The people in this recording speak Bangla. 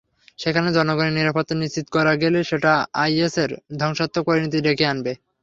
সেখানে জনগণের নিরাপত্তা নিশ্চিত করা গেলে সেটা আইএসের ধ্বংসাত্মক পরিণতি ডেকে আনবে।